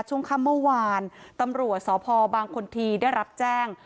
ช่วงค่ำเมื่อวานตำรวจสพบางคนทีได้รับแจ้ง